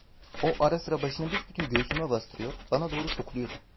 O, ara sıra başını büsbütün göğsüme bastırıyor, bana doğru sokuluyordu.